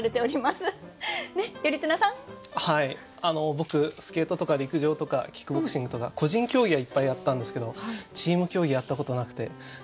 あの僕スケートとか陸上とかキックボクシングとか個人競技はいっぱいやったんですけどチーム競技やったことなくて。